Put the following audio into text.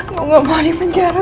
mau gak mau di penjara